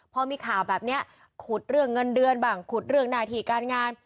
พอมีข่าวแบบนี้ขุดเรื่องเงินเดือนบ้างขุดเรื่องหน้าที่การงาน